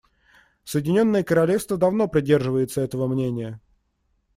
Соединенное Королевство давно придерживается этого мнения.